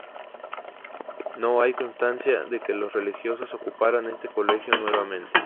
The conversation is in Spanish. No hay constancia de que los religiosos ocuparan este colegio nuevamente.